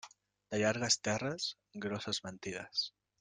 De llargues terres, grosses mentides.